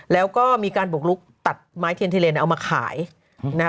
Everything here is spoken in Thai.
แล้วก็มีการบุกลุกตัดไม้เทียนเทเลนเอามาขายนะครับ